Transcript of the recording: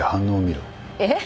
えっ？